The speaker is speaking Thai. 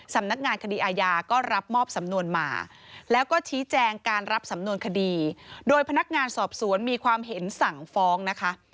สำนักงานคดีอาญาก็รับมอบสำนวนมาแล้วก็ชี้แจงการรับสำนวนคดีโดยพนักงานสอบสวนมีความเห็นสั่งฟ้องนะคะ